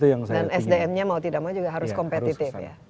dan sdm nya mau tidak mau juga harus kompetitif ya